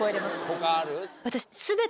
他ある？